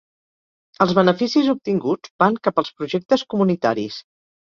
Els beneficis obtinguts van cap als projectes comunitaris.